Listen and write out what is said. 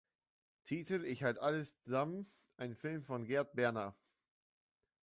Titel: Ich halt´ alles z´am; ein Film von Gerd Berner